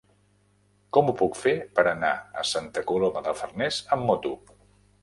Com ho puc fer per anar a Santa Coloma de Farners amb moto?